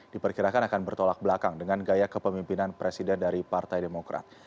diperkirakan akan bertolak belakang dengan gaya kepemimpinan presiden dari partai demokrat